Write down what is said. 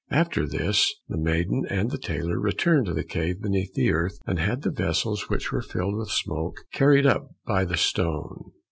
After this, the maiden and the tailor returned to the cave beneath the earth, and had the vessels which were filled with smoke carried up by the stone.